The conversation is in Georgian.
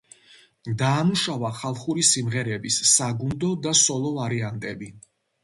დაამუშავა ხალხური სიმღერების საგუნდო და სოლო ვარიანტები.